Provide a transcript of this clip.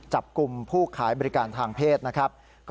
จับกลุ่มผู้ขายบริการทางเพศนะครับ